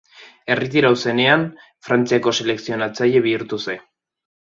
Erretiratu zenean, Frantziako selekzionatzaile bihurtu zen.